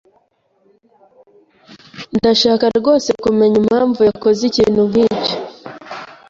Ndashaka rwose kumenya impamvu yakoze ikintu nkicyo.